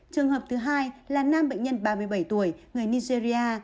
trường hợp thứ hai là nam bệnh nhân ba mươi bảy tuổi người nigeria